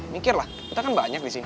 mikir lah kita kan banyak disini